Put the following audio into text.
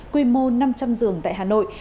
quy mô năm trăm linh giường tại hà nội